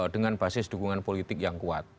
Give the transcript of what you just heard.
dengan basis dukungan politik yang kuat